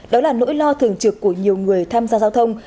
đó là nỗi lo thường trực của nhiều người tham gia giao thông